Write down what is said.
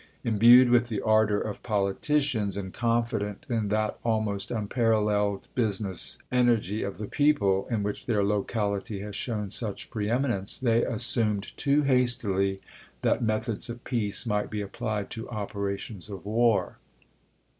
Imbued with the ardor of politicians, and confident in that almost unparalleled business energy of the people, in which their locality has shown such preeminence, they assumed too hastily that methods of peace might be applied to opera tions of war.